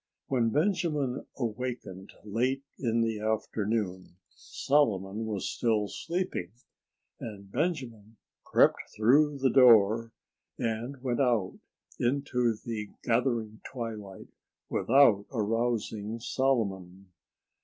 When Benjamin awakened, late in the afternoon, Solomon was still sleeping. And Benjamin crept through the door and went out into the gathering twilight, without arousing Solomon.